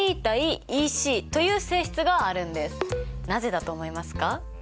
なぜだと思いますか？